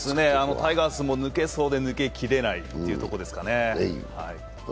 タイガースも抜けそうで抜けきらないというところですかね。